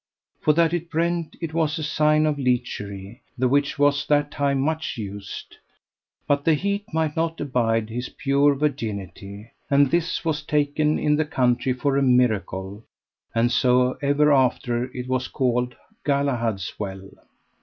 For that it brent it was a sign of lechery, the which was that time much used. But that heat might not abide his pure virginity. And this was taken in the country for a miracle. And so ever after was it called Galahad's well.